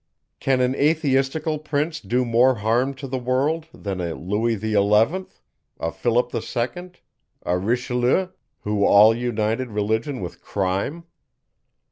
Can an atheistical prince do more harm to the world, than a Louis XI., a Philip II., a Richelieu, who all united Religion with crime?